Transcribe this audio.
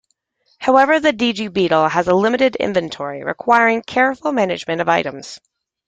However, the Digi-Beetle has a limited inventory, requiring careful management of items.